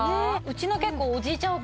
うちの結構おじいちゃん